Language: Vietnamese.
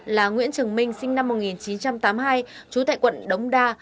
là nguyễn trường minh sinh năm một nghìn chín trăm tám mươi hai trú tại quận đống đa